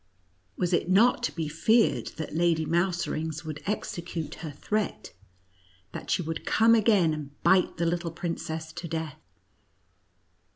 Was it not to be feared that Lady Mouserings would execute her threat, that she would come again, and bite the little princess to death